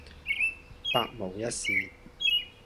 百無一是